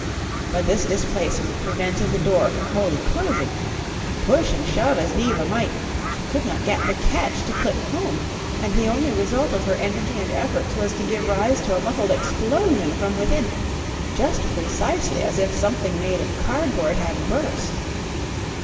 But this displacement prevented the door from wholly closing, and push and shove as Diva might, she could not get the catch to click home, and the only result of her energy and efforts was to give rise to a muffled explosion from within, just precisely as if something made of cardboard had burst.